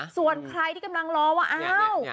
ส่วนใครที่กำลังรอว่าอ้าว